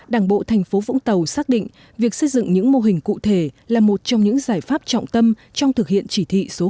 đảng bộ thành phố vũng tàu xác định việc xây dựng những mô hình cụ thể là một trong những giải pháp trọng tâm trong thực hiện chỉ thị số năm